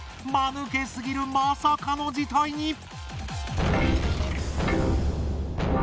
マヌケすぎるまさかの事態に！